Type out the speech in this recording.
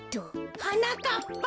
はなかっぱ！